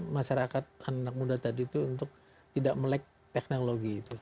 masyarakat anak anak muda tadi itu untuk tidak melek teknologi itu